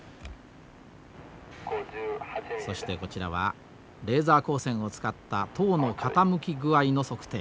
そしてこちらはレーザー光線を使った塔の傾き具合の測定。